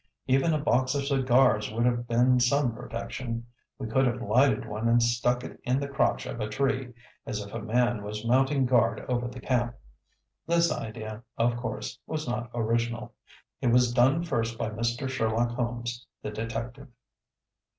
Even a box of cigars would have been some protection we could have lighted one and stuck it in the crotch of a tree, as if a man was mounting guard over the camp. This idea, of course, was not original. It was done first by Mr. Sherlock Holmes, the detective.